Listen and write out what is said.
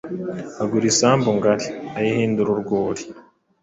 agura isambu ngari, ayihindura urwuri,